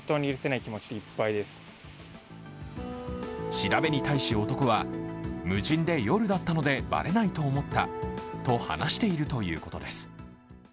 調べに対し男は、無人で夜だったのでばれないと思ったと話しているということです。